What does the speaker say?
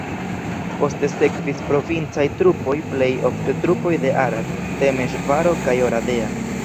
Poste sekvis provincaj trupoj plej ofte trupoj de Arad, Temeŝvaro kaj Oradea.